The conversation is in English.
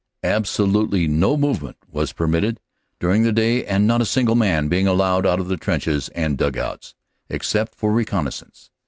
Absolutely no movement was per mitted during the day, not a single man being allowed out of the trenches and dug outs, except for reconnaissance.